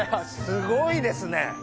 すごいですね。